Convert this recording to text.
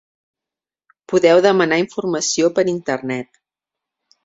Podeu demanar informació per Internet.